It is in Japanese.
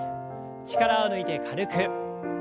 力を抜いて軽く。